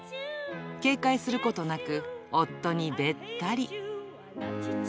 警戒することなく、夫にべったり。